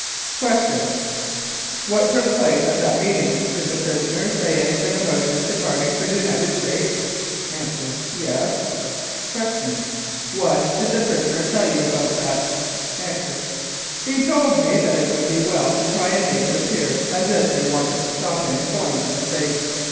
Q. What took place at that meeting? Did the prisoner say anything about his departing for the United States? A. Yes. Q. What did the prisoner tell you about that? A. He told me that it would be well to try and make it appear as if they wanted to stop him going to the States.